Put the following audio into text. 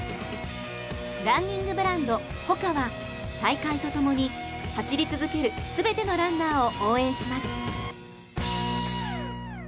ランニングブランド・ＨＯＫＡは大会とともに走り続けるすべてのランナーを応援します。